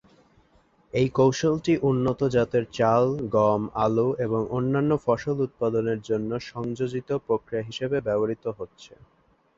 এই কৌশলটি উন্নত জাতের চাল, গম, আলু এবং অন্যান্য ফসল উৎপাদনের জন্য সংযোজিত প্রক্রিয়া হিসাবে ব্যবহৃত হচ্ছে।